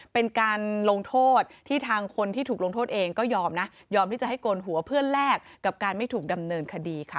เป็นการลงโทษที่ทางคนที่ถูกลงโทษเองก็ยอมนะยอมที่จะให้โกนหัวเพื่อนแลกกับการไม่ถูกดำเนินคดีค่ะ